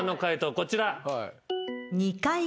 こちら。